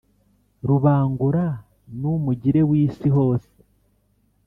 rubangura numugire wisi hose